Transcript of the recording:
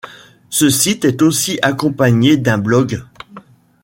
Ce site est aussi accompagné d'un blog.